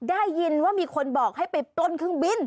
ได้ยินว่ามีคนบอกให้ไปปล้นเครื่องบิน